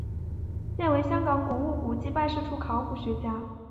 现为香港古物古迹办事处考古学家。